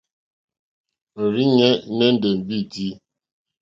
Òrzìɲɛ́ nɛ́ndɛ̀ mbîtí.